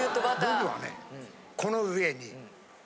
僕はねこの上に。